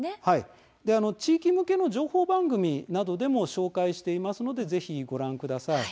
地域向けの情報番組などでも紹介していますのでぜひご覧ください。